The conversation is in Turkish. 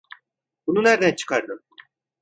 Bunu nereden çıkardın?